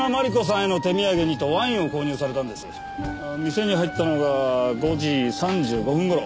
店に入ったのが５時３５分頃。